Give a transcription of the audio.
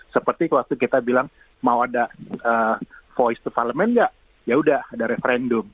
seperti waktu kita bilang mau ada voice development nggak yaudah ada referendum